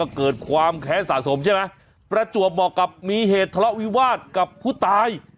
เกิดความแค้นสะสมใช่ไหมประจวบบอกกับมีเหตุทะเลาะวิวาสกับผู้ตาย